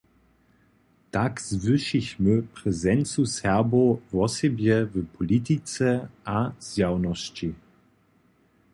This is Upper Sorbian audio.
Tak zwyšichmy prezencu Serbow wosebje w politice a zjawnosći.